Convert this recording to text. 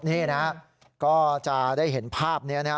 นี่นะฮะก็จะได้เห็นภาพนี้นะฮะ